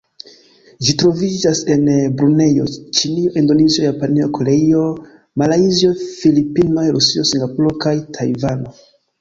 Ĝi troviĝas en Brunejo, Ĉinio, Indonezio, Japanio, Koreio, Malajzio, Filipinoj, Rusio, Singapuro kaj Tajvano.